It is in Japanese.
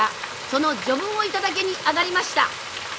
その序文を頂きに上がりました」。